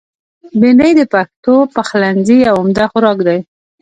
بېنډۍ د پښتو پخلنځي یو عمده خوراک دی